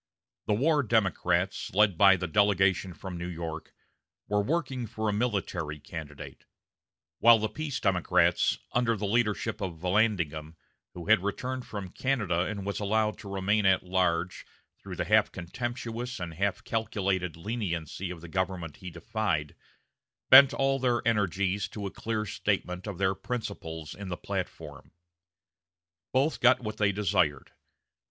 The war Democrats, led by the delegation from New York, were working for a military candidate; while the peace Democrats, under the leadership of Vallandigham, who had returned from Canada and was allowed to remain at large through the half contemptuous and half calculated leniency of the government he defied, bent all their energies to a clear statement of their principles in the platform. Both got what they desired.